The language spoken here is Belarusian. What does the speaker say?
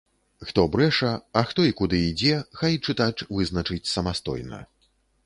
Хто брэша, а хто і куды ідзе, хай чытач вызначыць самастойна.